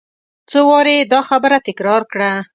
څو وارې یې دا خبره تکرار کړه.